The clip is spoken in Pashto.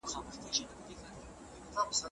د لیکوالو افکار او نظریات باید وڅېړل شي.